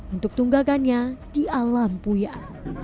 untuk tunggakannya di alam puyah